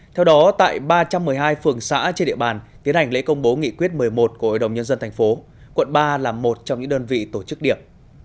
theo đó tại ba trăm một mươi hai phường xã trên địa bàn tiến hành lễ công bố nghị quyết một mươi một của ủy đồng nhân dân tp quận ba là một trong những đơn vị tổ chức điểm